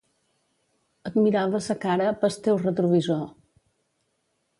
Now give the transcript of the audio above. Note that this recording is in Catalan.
Et mirava sa cara pes teu retrovisor.